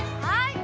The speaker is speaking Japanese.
はい